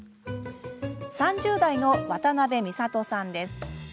３０代の渡辺美里さんです。